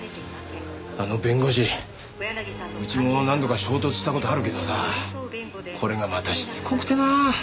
あの弁護士うちも何度か衝突した事あるけどさこれがまたしつこくてなあ。